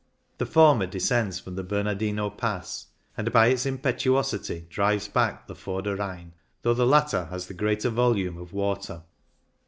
The former descends from the Bernardino Pass, and by its im petuosity drives back the Vorder Rhein, though the latter has the greater volume of water.